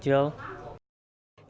thu hút gần năm trăm linh người